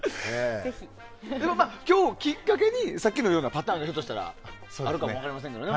今日をきっかけにさっきのようなパターンがひょっとしたらあるかも分かりませんからね。